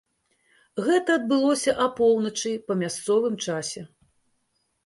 Гэта адбылося апоўначы па мясцовым часе.